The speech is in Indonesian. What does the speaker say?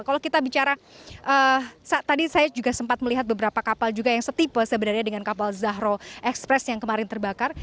kalau kita bicara tadi saya juga sempat melihat beberapa kapal juga yang setipe sebenarnya dengan kapal zahro express yang kemarin terbakar